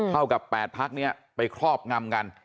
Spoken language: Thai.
เท่ากับ๘พักนี้ไปครอบงำกัน